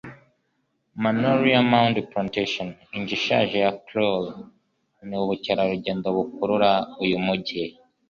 Magnolia Mound Plantation, inzu ishaje ya Creole, ni ubukerarugendo bukurura uyu mujyi